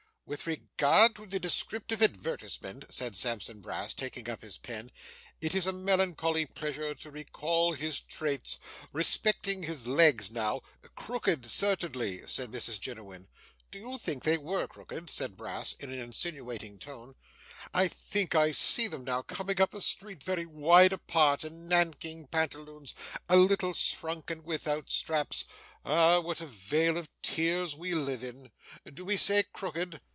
'With regard to the descriptive advertisement,' said Sampson Brass, taking up his pen. 'It is a melancholy pleasure to recall his traits. Respecting his legs now ?' 'Crooked, certainly,' said Mrs Jiniwin. 'Do you think they WERE crooked?' said Brass, in an insinuating tone. 'I think I see them now coming up the street very wide apart, in nankeen' pantaloons a little shrunk and without straps. Ah! what a vale of tears we live in. Do we say crooked?